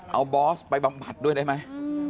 เอาบอสไปบำบัดด้วยได้ไหม